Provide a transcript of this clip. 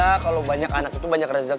nggak kalau banyak anak itu banyak rezeki ya